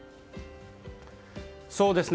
そうですね。